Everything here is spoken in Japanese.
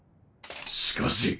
しかし